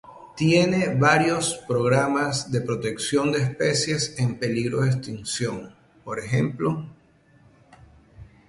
Tiene varios programas de protección de especies en peligro de extinción, por ej.